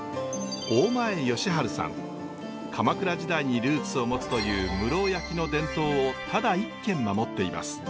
鎌倉時代にルーツを持つという室生焼の伝統をただ一軒守っています。